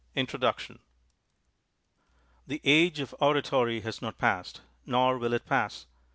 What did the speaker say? INTRODUCTION The age of oratory has not passed; nor will it pass.